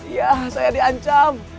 ya saya diancam